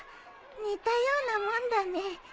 似たようなもんだね。